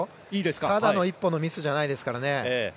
ただのミスじゃないですから。